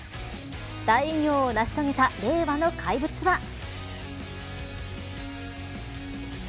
大偉業を成し遂げた令和の怪物は。